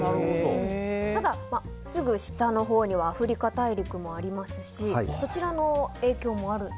ただ、すぐ下のほうにはアフリカ大陸もありますしそちらの影響もある？